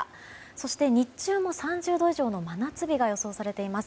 そして、日中も３０度以上の真夏日が予想されています。